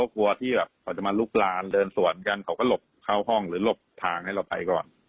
เข้าห้องหรือหลบทางให้เราไปก่อน